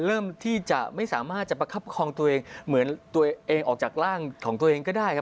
เริ่มที่จะไม่สามารถจะประคับครองตัวเองเหมือนตัวเองออกจากร่างของตัวเองก็ได้ครับ